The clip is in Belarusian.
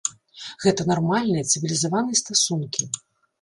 Гэта нармальныя, цывілізаваныя стасункі.